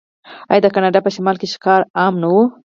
آیا د کاناډا په شمال کې ښکار عام نه و؟